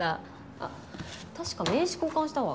あっ確か名刺交換したわ。